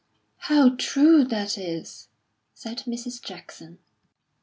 "How true that is!" said Mrs. Jackson.